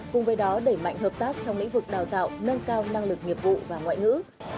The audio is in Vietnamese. cùng với đó đẩy mạnh hợp tác trong lĩnh vực đào tạo nâng cao năng lực nghiệp vụ và ngoại ngữ